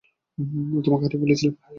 তোমাকে হারিয়ে ফেলেছিলাম।